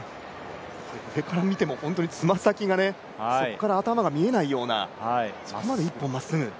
上から見ても本当につま先が、そこから頭が見えないようなそこまで、１本まっすぐ。